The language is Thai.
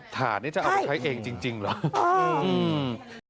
๔๐ถาดนี่จะเอาไปใช้เองจริงเหรออ๋ออืม